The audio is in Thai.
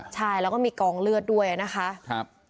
ใช่แล้วก็มีกองเลือดด้วยนะคะ